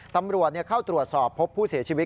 ตำรวจเข้าตรวจสอบพบผู้เสียชีวิต